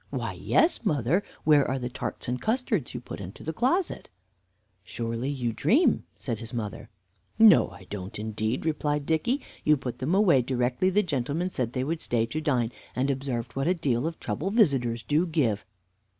"Why, yes, mother. Where are the tarts and custards you put into the closet?" "Surely you dream?" said his mother. "No, I don't indeed," replied Dicky. "You put them away directly the gentlemen said they would stay to dine, and observed what a deal of trouble visitors do give."